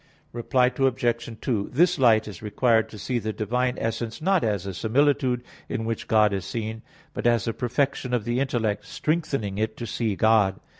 Reply Obj. 2: This light is required to see the divine essence, not as a similitude in which God is seen, but as a perfection of the intellect, strengthening it to see God.